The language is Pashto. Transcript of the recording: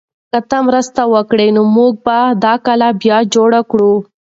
که ته مرسته وکړې نو موږ به دا کلا بیا جوړه کړو.